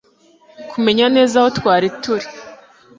kumenya neza aho twari turi